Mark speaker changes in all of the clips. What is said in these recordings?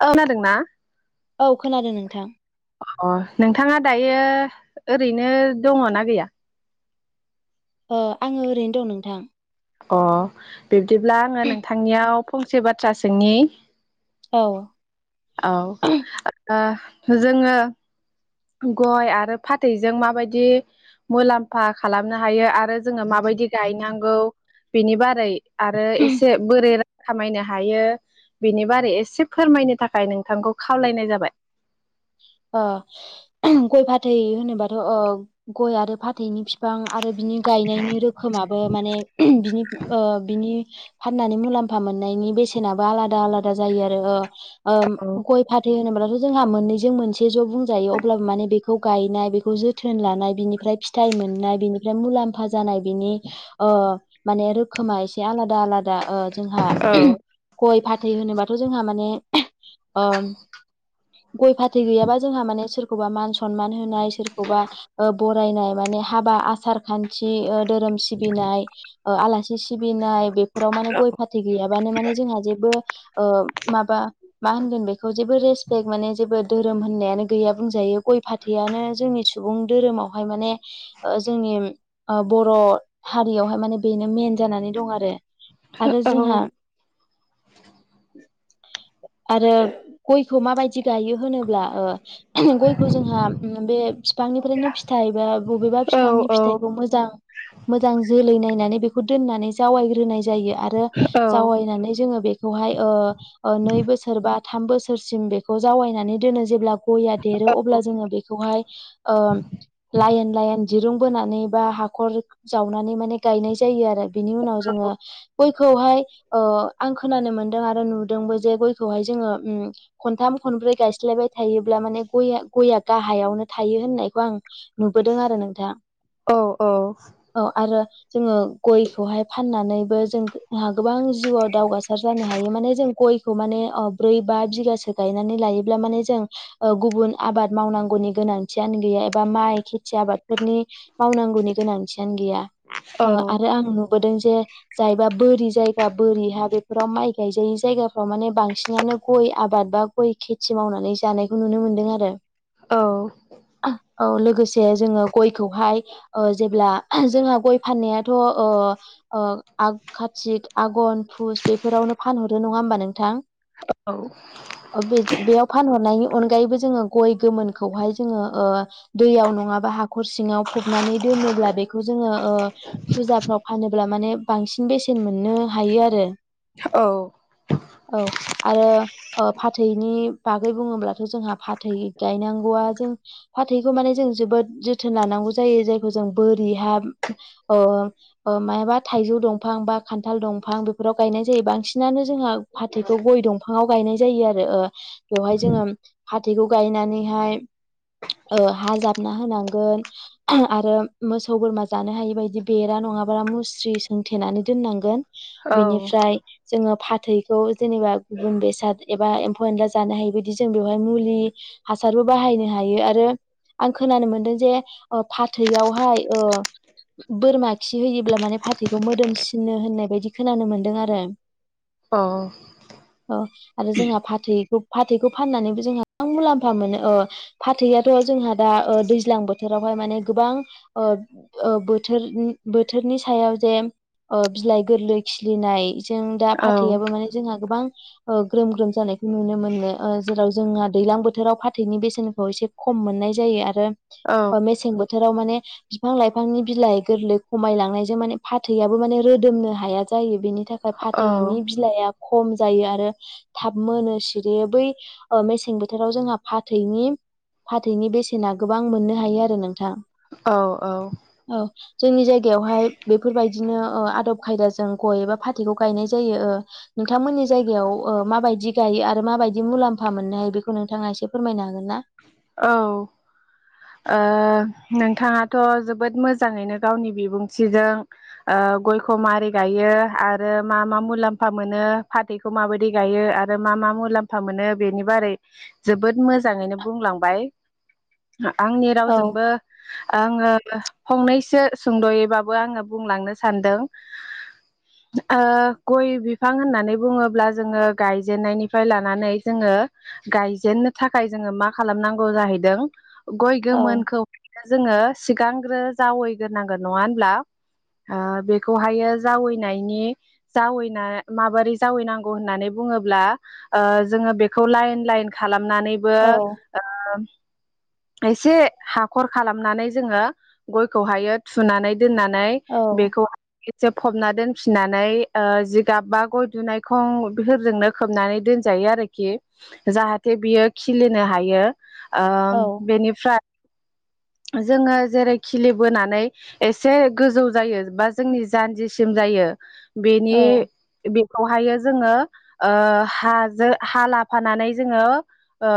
Speaker 1: खो नादोंना?
Speaker 2: औ खोनादों नोंथां।
Speaker 1: अ नोंथाङा दायो ओरैनो दङ ना गैया?
Speaker 2: अ आङो ओरैनो दं नोंथां।
Speaker 1: अ बिब्दिब्ला आङो नोंथांनियाव फंसे बाथ्रा सोंनि।
Speaker 2: औ
Speaker 1: औ ओ जोङो गय आरो फाथैजों माबायदि मुलाम्फा खालामनो हायो आर रो जोङो माबायदि गायनांगौ बेनि बारै आरो एसे बोरै खामायनो हायो बिनि बारै एसे फोरमायनो थाखाय नोंथांखौ खावलायनाय जाबाय। [inaudible] [unintelligible]
Speaker 2: अ गय फाथै होनोबाथ' अ गय आरो फाथैनि फिफां आरो बिनि गायनायनि रोखोमाबो माने बिनि बिनि फाननानै मुलाम्फा मोननायनि बेसेनाबो आलादा आलादा जायो आरो।
Speaker 1: औ
Speaker 2: ओ गय फाथै होनोब्लाथ' जोंहा मोननैजों मोनसे ज' बुंजायो अब्लाबो माने बेखौ गायनाय बेखौ जोथ थोन लानाय बिनिफ्राय फिथाइ मोननाय बिनिफ्राय मुलाम्फा जानाय बिनि ओ माने रोखोमा एसे आलादा आलादा ओ जोंहा
Speaker 1: औ
Speaker 2: गय फाथै होनोबाथ' जोंहा माने गय फाथै गैयाब सोरखौबा मान समान होनाय सोरखौबा ओ बरायनाय मान हाबा आसार खान्थि ओ धोरोम सिबिनाय ओ आलासि सिबिनाय बेफोराव माने गय फाथै गैयाबानो माने जोंहा जेबो माबा होनगोन बेखौ जेबो रेसपेक्ट माने जेबो धोरोम होननायानो गैया बुंजायो गय फाथैआनो जोंनि सुबुं धोरोमावहाय माने जोंनि बर' हारियावहाय माने बेनो मेन जानानै दं आरो आरो
Speaker 1: औ
Speaker 2: जोंहा आरो गयखौ माबायदि गायो होन गयखौ जोंहा बे बिफांनिफ्रायनो फिथाइबा बबेबा
Speaker 1: औ
Speaker 2: बिफांनि
Speaker 1: औ
Speaker 2: फिथ फिथखौ मोजां जोलै नायनानै बेखौ दोननानै जाव दोननानै जायो आरो जावनानै जोङो बेह नै बोसोरबा थाम बोसोरसिम बेखौ जावायनानै दोनो जेब्ला गय देरो अब्ला जोङो बेखौहाय ओ लाइन लाइन दिरुं बानै बा हाख जावनानै माने गनाय जायो आरो बिनि उनाव जोङो गयखौ हाय ओ आं खोनानो मोनदों आरो नुदोंबो जे गयखौहाय जोङो उम नथाम खनब्रै गायस खस्लायबाय थायोब्ला माने गया गया गाहायावनो थायो होननायखौ आं नुबोदों आरो नोंथाङ
Speaker 1: औ
Speaker 2: औ आरो जोङो गयखौहाय फाननानैबो जों जोंहा गोबां जिउआव दावगासिनो देहासा जानो हायो। माने गय माने ब्रै बा बि गनानै लायो ब्ला माने जों गुबुन आबाद मावनांगौनि गोनांथियानो गैया एबा माइ मसि आबादफोरनि मावनांगौनि गोनांथियनो गैया ओ आरो आं बोदोंजे जायबा बोरि जायगा बोरि हा बेफोराव माइ गायजायै जायगाफ्राव माने बांसिनानो गय आबाद बा गय खेथि मावनानै जानायखौ नुनो मोनदों आरो। औ लोगोसे जोङो गयखौहाय ओ जेब्ला जोंहा गय फाननायाथ' ओ ओ आग कातिक आघन फुस बेफोरावनो फानहरो नङा होमबा नोंथां?
Speaker 1: औ।
Speaker 2: बे बेयाव फानहरनायनि अनगायैबो जोङो गय गोमोनखौहाय जोङो ओ दैयाव नङाबा हाखर सिङाव फबनानै दोनोब्ला बेखौ जोङो ओ फुजाफ्राव फानोब्ला माने बांसिन बेसेन मोननो हायो आरो।
Speaker 1: औ।
Speaker 2: औ आरो ओ फाथै नि बागै बुङोब्लाथ' जोंहा फाथै गायनांगौ जों फाथैखौ माने जों जोबो जोथोन लानांगोन जायो जाखो जों बोरि हा ओ मायाबा थायजौ दंफां बाद खान्थाल दंफां बेफोराव गायनाय जायो बांसिनानो जोंहा फाथैखौ गय दंफाङाव गायनाय जायो आरो ओ। बेवहाय जोङो फाथैखौ गायनानैहाय ओ हा जाबना होनांगोन आरो मोसौ बोरमा जानो हायि बायदि बेरा नङा नङाबारा मुस्रि सोंथेनानै दोननांगोन। बिनिफ्राय जोङो फाथैखौ जेनेबा गुबुन बेसाद एबा नला जानो हाय बदि जों बेवहाय मुलि हासारबो बाहायनो हायो। आरो आं खोनानो मोनदों जे ओ फाथैयावहाय ओ बोरमा खि होयोब्ला माने फाथैखौ मोदोमसिनो होननाय बायदि खोनानो मोनदों आरो।
Speaker 1: अ।
Speaker 2: आरो जोंहा फा थै फाथै फाननानै जोंहा मुलाम मोनो ओ फाथैआथ' जोंहा दा ओ दैज्लां बोथोरावहाय माने गोबां ओ ओ बो बोथोरनि सायाव जे ओ बिलाइ गोरलै खिलिनाय जों दा
Speaker 1: औ
Speaker 2: फाथैयाबबो माने जोंहा गोबां ग्रोम ग्रोम जानाय नुनो मोनो। जेराव जोंहा दैज्लां बोथोराव फाथैनि बेसेनखौ एसे खम मोननाय जायो। आरो अ
Speaker 1: औ
Speaker 2: मेसें बो बोथोराव माने बिफां लाइफांनि बिलाइ गोरलै खमायलांनायजों माने फाथैयाबबो माने रोदोमनो हाया। जायो बेनि थाखाय फाथैनि बिलाइआ खम जायो। आरो थाब मोनो सिरि बै मेसें बोथोराव जोंहा फाथैनि फाथैनि बेसेना गोबां मोननो हायो आरो नोंथां।
Speaker 1: औ औ
Speaker 2: औ जोंनि जायगायावहाय बेफोरबायदिनो ओ आदब खायदाजों गय एबा फाथैखौ गायनाय जायो ओ नोंथांमोननि जायगायाव ओ माबायदि गायो आरो माबायदि मुलाम्फा मोननो हायो। बेखौ नोंथाङा एसे फोरमायनो हागोन ना?
Speaker 1: औ। ओ नोंथाङाथ जोबोद मोजाङैनो गावनि बिबुंथिजों ओ गयखौ माबोरै गायो आरो मा मा मुलाम्फा मोनो फाथैखौ माबायदि गायो आरो मा मा मुलामा मोनो बेनि बारै जोबोद मोजाङैनो बुंलां बाय आंनि
Speaker 2: औ
Speaker 1: रावजोंबो आंङो फंनैसो सुंदयैबाबो आंङो बुंलांनो सानदों ओ गय बिफां होननानै बुङोब्ला जोंङो गायजेननायनिफ्राय लानानै जोंङो ओ गायजेननो थाखाय जोंङो मा खालामनांगौ जाहैदों गय
Speaker 2: औ
Speaker 1: गोमोनखौ जोंङो सिगांग्रो जावैग्रोनांगोन नङा होनब्ला ओ बेखौहायो जावैनायनि जावैना माबोरै जावैनांगौ होननानै बुङोब्ला ओ जोंङो बेखौ लाइन लाइन खालामनानैबो
Speaker 2: औ
Speaker 1: [unintelligible] एसे हाखर खालामनानै जोंङो गयखौहायो थुनानै दोननानै
Speaker 2: औ
Speaker 1: बेखौ जोब फबना दोनफिननानै ओ जिगाब बा गय दुनायखं बेफोरजोंनो खोबनानै दोनजायो हायो आरोखि जाहाथे बियो खिलिनो हायो ओ
Speaker 2: औ
Speaker 1: बेनिफ्राय [inaudible] जोंङो जेरै खिलिबोनानै एसे गोजौ जायो बा जोंनि जानजिसिम जायो [unintelligible] बेनि
Speaker 2: औ
Speaker 1: बेखौहायो जोंङो ओ हाजों हा लाफानानै जोंङो ओ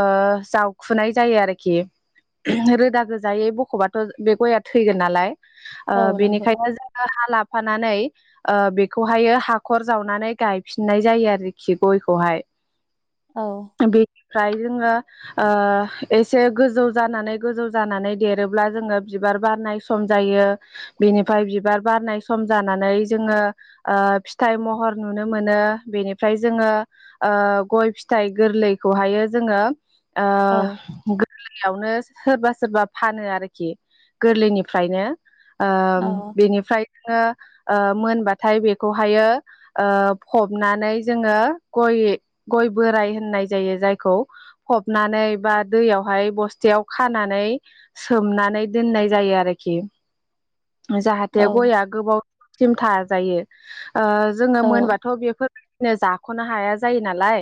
Speaker 1: जावखुनाय जायो आरोखि रोदा गोजायै बखबाथ बे गआ थैगोन नालाय ओ
Speaker 2: औ नंगौ
Speaker 1: बेनिखायनो जोंङो हा लाफानानै ओ बेखौहायो हाखर जावनानै गायफिननाय जायो आरोखि गयखौहाय
Speaker 2: औ
Speaker 1: बेनिफ्राय जोंङो ओ एसे गोजौ जानानै गोजौ जानानै देरोब्ला जोंङो बिबार बारनाय सम जायो बिनिफ्राय बिबार बारनाय सम जानानै जोंङो ओ फिथाइ महर नुनो मोनो बेनिफ्राय जोंङो ओ गय फिथाइ गोरलैखौहायो जोंङो
Speaker 2: औ
Speaker 1: ओ गोरलैयावनो सोरबा सोरबा फानो आरोखि गोरलैनिफ्रायनो ओ
Speaker 2: औ
Speaker 1: बेनिफ्राय जोंङो ओ मोनबाथाय बेखौहायो ओ फबनानै जोंङो गय गय बोराय होननाय जायो जायखौ फबनानै बा दैयावहाय बस्थायाव खानानै सोमनानै दोननाय जायो आरोखि
Speaker 2: औ
Speaker 1: जाहाथे गआ गोबावसिम थाजायो ओ जोंङो मोनबाथ बेफोर जाखनो हाया जायो नालाय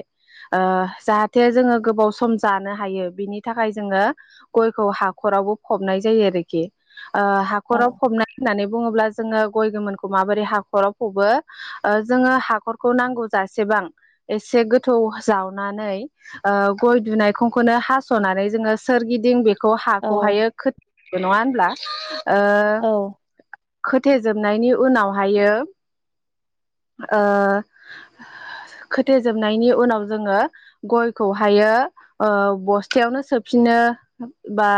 Speaker 1: ओ जाहाथे जोंङो गोबाव सम जानो हायो बिनि थाखाय जोंङो गयखौ हाखरावबो फबनाय जायो आरोखि ओ हाखराव
Speaker 2: औ
Speaker 1: फबना होननानै बुङोब्ला जोंङो गय गोमोनखौ माबोरै हाखराव फबो जोंङो हाखरखौ नांगौ जासे बां एसे गोथौ जावनानै ओ गय दुनायखौनो हासनानै जोंङो सोरगिदिं बेखौ
Speaker 2: औ
Speaker 1: हाखौहायो नङा होनब्ला? ओ
Speaker 2: औ
Speaker 1: खोथेजोबनायनि उनावहायो ओ खोथेजोबनायनि उनाव जोंङो गयखौ थायो ओ बस्थायावनो सोफिनो बा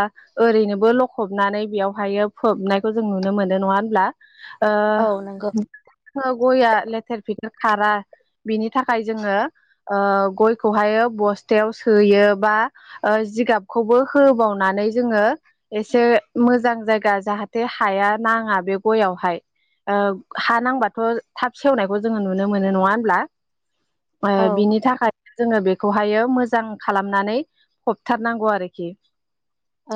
Speaker 1: ओरैनोबो लखबनानै बेयावहायो फोबनायखौ जों नुनो मोनो नङा होनब्ला? ओ
Speaker 2: औ नंगौ
Speaker 1: जोङो गया लेथेर फेते खारा बिनि थाखाय जोङो ओ गयखौहाय बस्थ थायाव सोयो बा जिगाबखौबो होबावनानै जोङो एसे उम मोजां जायगा जाहाथे हाया नाङा बे गयावहाय ओब हा नांबाथ थाब सेवनायखौ जोङो नुनो मोनो नङा होमब्ला ओ
Speaker 2: औ
Speaker 1: बिनि थाखाय जोङो बेखौहायो मोजां खालामनानै फबथारनांगौ आरोखि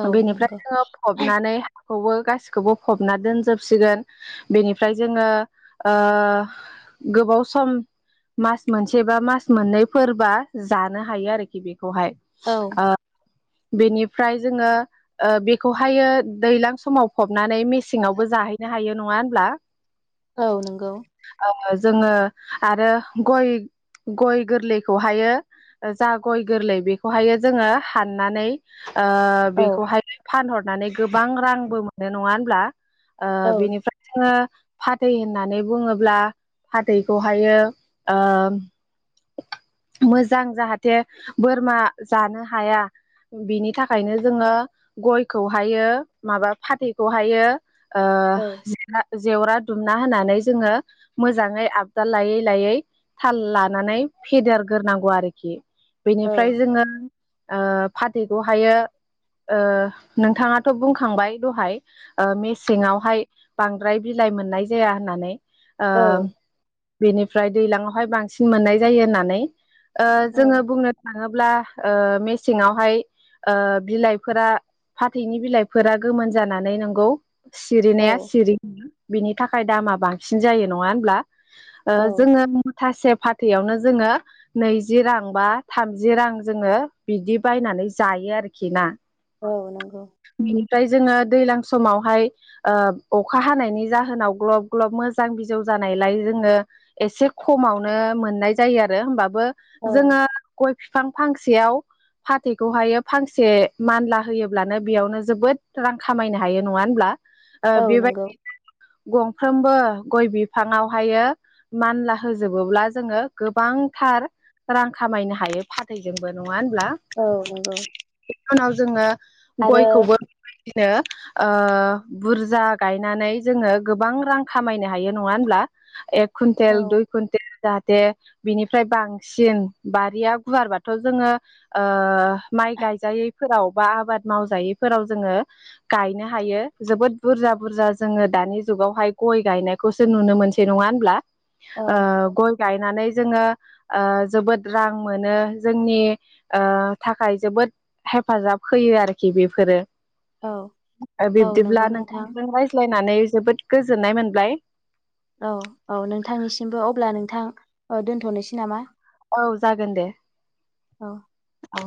Speaker 2: औ
Speaker 1: बेनिफ्राय
Speaker 2: नंगौ
Speaker 1: जोङो फबनानै खौबो गासिखौबो फबना दोनजोबसिगोन बेनिफ्राय जोङो ओ गोबाव सम मास मोनसे बा मास मोननैफोरबा जानो नो हायो आरोखि बेखौहाय
Speaker 2: औ
Speaker 1: आ बेनिफ्राय जोङो ओ बेखौहायो दैलां समाव फबनानै मेसेंवावबो जाहैनो हायो नङा होनब्ला?
Speaker 2: औ नंगौ
Speaker 1: जोङो आरो गय गय गोरलैखौहायो जा गय गोरलै बेखौहायो जोङो हाननानै ओ
Speaker 2: औ
Speaker 1: बेखौहाय फानहरनानै गोबां रांबो मोनो नङा होनब्ला ओ
Speaker 2: औ
Speaker 1: बिनिफ्राय जोङो फाथै होननानै बुङोब्ला फाथैखौहायो ओ मोजां जाहाथे बोरमा जानो हाया बिनि थाखायनो जोङो गयखौहायो माबा फाथैखौहायो ओ
Speaker 2: औ
Speaker 1: जेवरा जेवरा दुमना होनानै जोङो मोजाङै आबदाल लायै लायै थाल लानानै फेदेरगोरनांगौ आरो बेनिफ्राय जोङो ओ फाथैखौहायो ओ नोंथाङाथ बुंखांबाय दहाय ओ मेसेङावहाय बांद्राय बिलाइ लाइ मोननाय जाया होननानै ओ बेनिफ्राय दैलाङावहाय बांसिन मोननाय जायो होननानै ओ
Speaker 2: औ
Speaker 1: जोङो बुंनो थाङोब्ला ओ मेसेङावहाय ओ बिलाइफोरा फाथैनि बिलाइफोरा गोमोन जानानै नोंगौ
Speaker 2: औ
Speaker 1: सिरिनाया सिरि बिनि थाखाय दामा बांसिन जायो नङा होनब्ला जोङो मुथासे फाथैयावनो जोङो नैजि रां बा थामजि रां जोङो बिदि बायनानै जायो आरोखि ना
Speaker 2: औ नंगौ
Speaker 1: ओमफ्राय जोङो दैज्लां समावहाय ओ अखा हानायनि जाहोनाव ग्लब ग्लब मोजां बिजौ जानायलाय जोङो एसे खमावनो मोननाय जायो आरो होमबा बो
Speaker 2: औ
Speaker 1: जोङो गय बिफां फांसेयाव फाथैखौहायो फांसे मानला होयोब्लानो बेयावनो जोबोद रां खामायनो हायो नङा होनब्ला ओ
Speaker 2: औ
Speaker 1: बेबाय
Speaker 2: नंगौ
Speaker 1: गंफ्रोमबो गय बिफाङावहायो मानला होजोबोब्ला जोङो गोबांथार रां खामायनो हायो फाथैजोंबो नङ
Speaker 2: औ नंगौ
Speaker 1: फानाव जोङो
Speaker 2: आरो
Speaker 1: नो ओ बुरजा गायनानै जोङो गोबां रां खामायनो हायो नङा होनब्ला एक
Speaker 2: औ
Speaker 1: कुन्टेल दुइ कुन्टेल जाहाथे बिनिफ्राय बां सिन बारिया गुवारबाथ जोङो ओ माइ गायजायैफोराव बा आबाद मावजायैफोराव जोङो गायनो हायो जोबोद बुरजा बुरजा जोङो दानि जुगावहाय ख गय गायनायखौसो नुनो मोनसै नङा होनब्ला
Speaker 2: औ
Speaker 1: ओ गय गायनानै जोङो ओ जोबोद रां मोनो जोंनि थाखाय जोबोद हेफाजाब होयो। आरोखि बेफोरो
Speaker 2: औ औ नंगौ
Speaker 1: बिब्दिब्ला
Speaker 2: नोंथां
Speaker 1: नोंथांजों रायज्लायनानै जोबोद गोजोननाय मोनबाय
Speaker 2: औ औ नोंथांनिसिमबो अब्ला नोंथां दोन्थनोसै नामा?
Speaker 1: औ जागोन दे
Speaker 2: औ
Speaker 1: औ